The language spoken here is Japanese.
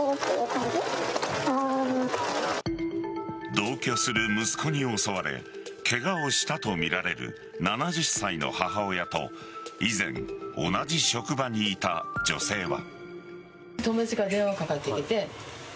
同居する息子に襲われケガをしたとみられる７０歳の母親と以前、同じ職場にいた女性は。